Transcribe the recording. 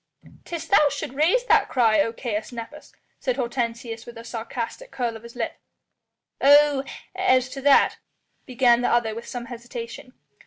'" "'Tis thou shouldst raise that cry, O Caius Nepos," said Hortensius with a sarcastic curl of his lip. "Oh! as to that " began the other with some hesitation.